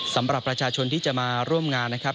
สำหรับประชาชนที่จะมาร่วมงานนะครับ